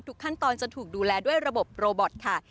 ขั้นตอนจะถูกดูแลด้วยระบบโรบอตค่ะ